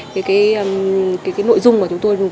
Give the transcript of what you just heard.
cái cái cái cái nội dung mà chúng tôi